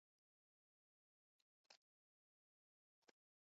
故科学家可以对真猛玛象的解剖有详细的了解。